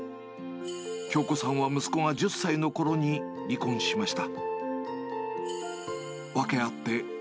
京子さんは息子が１０歳のころに離婚しました。